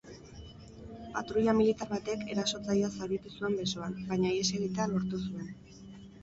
Patruila militar batek erasotzailea zauritu zuen besoan, baina ihes egitea lortu zuen.